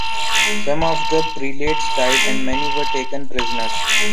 Some of the prelates died, and many were taken prisoners.